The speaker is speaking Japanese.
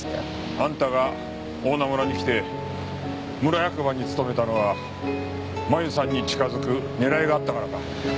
あんたが大菜村に来て村役場に勤めたのは麻由さんに近づく狙いがあったからか。